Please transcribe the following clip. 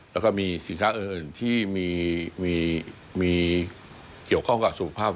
แล้วก็มีสินค้าอื่นที่มีเกี่ยวข้องกับสุขภาพ